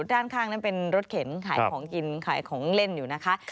ด้านข้างนั้นเป็นรถเข็นขายของกินขายของเล่นอยู่นะคะ